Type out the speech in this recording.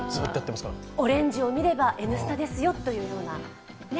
オレンジを見れば「Ｎスタ」ですよというような。